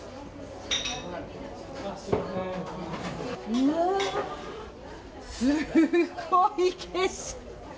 うわー、すごい景色！